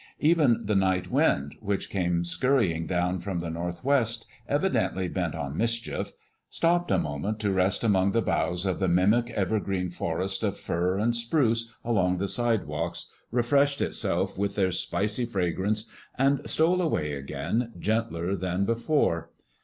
Even the night wind, which came scurrying down from the northwest evidently bent on mischief, stopped a moment to rest among the boughs of the mimic evergreen forest of fir and spruce along the sidewalks, refreshed itself with their spicy fragrance, and stole away again, gentler than before.